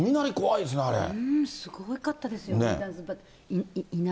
すごかったですよね。